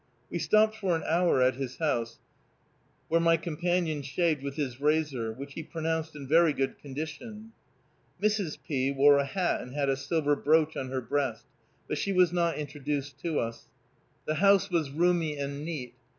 We stopped for an hour at his house, where my companion shaved with his razor, which he pronounced in very good condition. Mrs. P. wore a hat and had a silver brooch on her breast, but she was not introduced to us. The house was roomy and neat.